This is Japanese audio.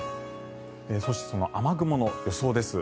そして、その雨雲の予想です。